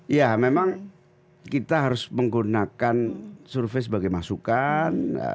ya memang kita harus menggunakan survei sebagai masukan